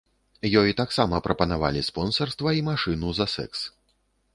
Ёй таксама прапанавалі спонсарства і машыну за сэкс.